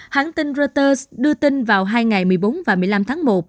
hãng tin reuters đưa tin vào hai ngày một mươi bốn và một mươi năm tháng một